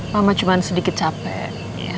mama cuma sedikit capek